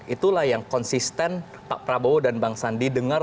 itulah yang konsisten pak prabowo dan bang sandi dengar